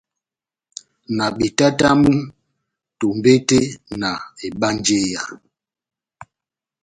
Na betatamu tombete na ebanjeya.